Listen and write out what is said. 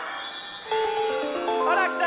ほらきた。